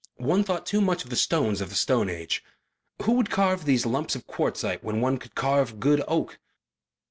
One thought too much of the stones of the Stone Age. Who would carve these lumps of quartzite when one could carve good oak?